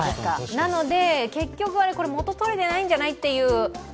なので、結局、元取れてないんじゃない？っていう。